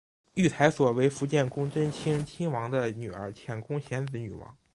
御台所为伏见宫贞清亲王的女儿浅宫显子女王。